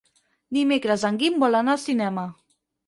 Dimecres en Guim vol anar al cinema.